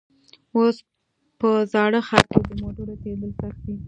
اوس په زاړه ښار کې د موټرو تېرېدل سخت دي.